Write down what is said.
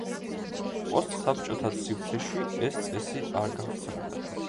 პოსტ-საბჭოთა სივრცეში ეს წესი არ გავრცელდა.